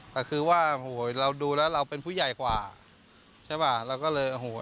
แต่คือว่าโหเราดูแล้วเราเป็นผู้ใหญ่กว่าใช่ป่ะเราก็เลยโอ้โห